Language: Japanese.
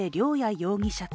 容疑者と